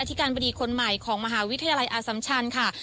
ธิการบดีคนใหม่ของมหาวิทยาลัยอสัมชันค่ะ